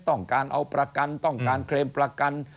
ต้องการเอาประกันต้องการเคลมประกัน